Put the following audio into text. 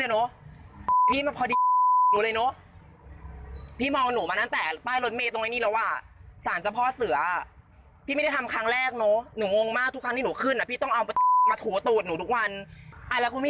เนี่ยเยอะแยะมากลงล่างคำพูดใต้เข็มขัดหมดเลย